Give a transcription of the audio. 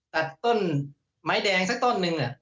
ตัดต้นไม้แดงสักต้นหนึ่ง